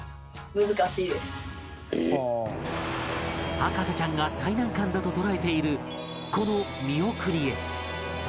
博士ちゃんが最難関だと捉えているこの見送り絵